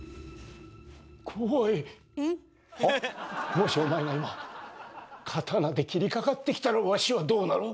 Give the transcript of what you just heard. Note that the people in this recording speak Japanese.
もしお前が今刀で斬りかかってきたらわしはどうなる？